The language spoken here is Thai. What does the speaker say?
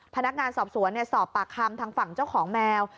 พนักงานสอบสวนสอบปากคำทางฝั่งเจ้าของแมว